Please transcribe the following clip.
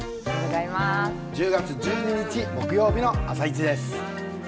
１０月１２日木曜日の「あさイチ」です。